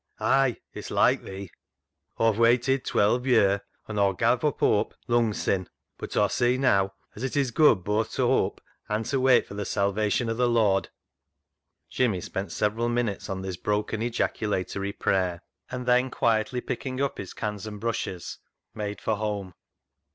Ay ! it's like Thee. Aw've waited twelve ye'r an' Aw gav' up hope lung sin, but Aw see naa 'at it is good boath to hope and to wait for the salvation of the Lord." Jimmy spent several minutes on this broken 85 86 CLOG SHOP CHRONICLES ejaculatory prayer, and then quietly picking up his cans and brushes he made for home.